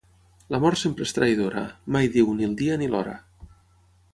La mort sempre és traïdora: mai diu, ni el dia ni l'hora.